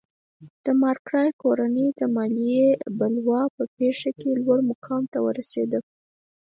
د مارګای کورنۍ د مالیې بلوا په پېښه کې لوړ مقام ته ورسېده.